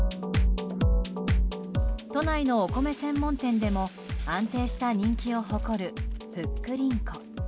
都内のお米専門店でも安定した人気を誇るふっくりんこ。